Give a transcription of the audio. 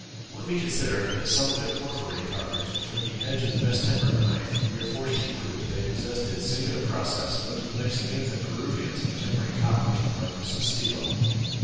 When we consider that some of their porphyry carvings will turn the edge of the best tempered knife, we are forced to conclude that they possessed that singular process, known to the Mexicans and Peruvians of tempering copper to the hardness of steel.